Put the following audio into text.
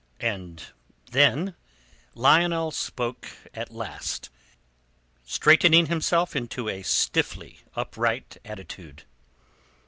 And then Lionel spoke at last, straightening himself into a stiffly upright attitude.